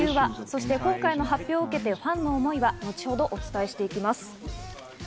そして今回の発表を受けて、ファンの思いを後ほどお伝えしていきます。